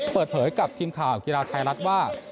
เปิดเผยกับทีมข่าวกีฬาไทยรัฐว่า